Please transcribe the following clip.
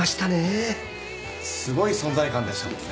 すごい存在感でしたもんね。